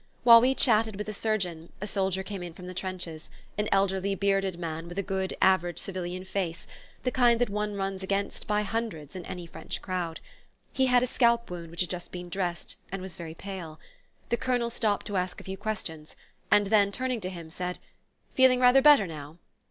While we chatted with the surgeon a soldier came in from the trenches: an elderly, bearded man, with a good average civilian face the kind that one runs against by hundreds in any French crowd. He had a scalp wound which had just been dressed, and was very pale. The Colonel stopped to ask a few questions, and then, turning to him, said: "Feeling rather better now?"